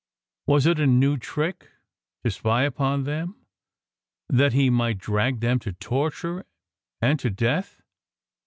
Was it a new trick to spy upon them, that he might drag them to torture and to death